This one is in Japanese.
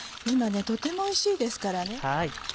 今とてもおいしいですからね。